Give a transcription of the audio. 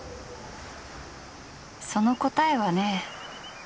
その答えはね